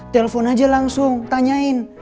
telepon aja langsung tanyain